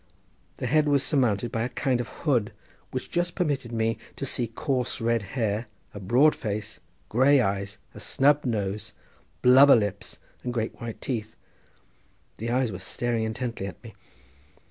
The head was surmounted by a kind of hood which just permitted me to see coarse red hair, a broad face, grey eyes, a snubbed nose, blubber lips and great white teeth—the eyes were staring intently at me.